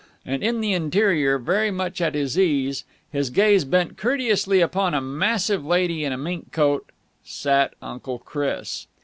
And in the interior, very much at his ease, his gaze bent courteously upon a massive lady in a mink coat, sat Uncle Chris.